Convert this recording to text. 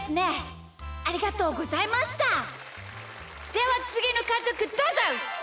ではつぎのかぞくどうぞ！